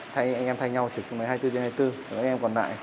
thì cả nhà đã để được làm tủ con ạ